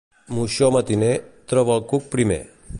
Moixó matiner, troba el cuc primer.